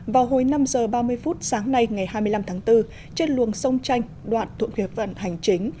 vào hồi năm h ba mươi sáng nay ngày hai mươi năm tháng bốn trên luồng sông chanh đoạn thuận huyệt vận hành chính